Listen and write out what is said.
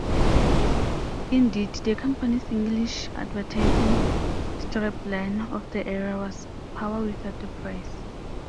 Indeed, the company's English advertising strapline of the era was "power without the price".